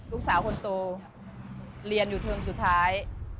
ลูกสาวคนโตเรียนอยู่เทอมสุดท้าย